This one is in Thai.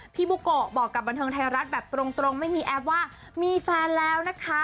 บุโกะบอกกับบันเทิงไทยรัฐแบบตรงไม่มีแอปว่ามีแฟนแล้วนะคะ